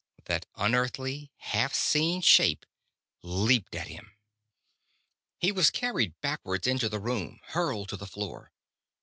That unearthly, half seen shape leaped at him. He was carried backward into the room, hurled to the floor.